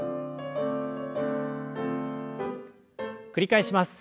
繰り返します。